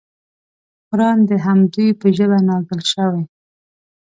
قران د همدوی په ژبه نازل شوی.